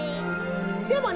でもね